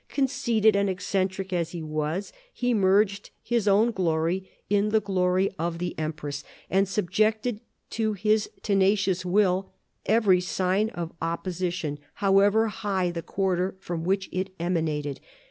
Conceited and eccentric as he was, he merged his own glory in the glory of the empress, and subjected to his tenacious will every sign of opposition, however high the quarter from which it emanated.